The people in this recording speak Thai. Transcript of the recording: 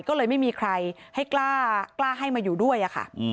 ก็เลยไม่มีใครให้กล้าให้มาอยู่ด้วยค่ะ